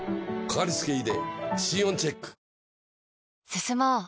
進もう。